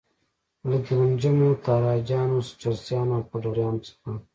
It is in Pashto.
له ګیلم جمو، تاراجیانو، چرسیانو او پوډریانو څخه.